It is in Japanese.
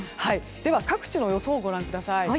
では各地の予想をご覧ください。